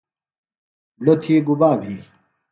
ڑو تھی گُبا بھی؟